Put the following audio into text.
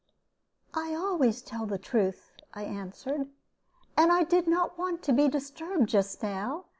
"I always tell the truth," I answered; "and I did not want to be disturbed just now.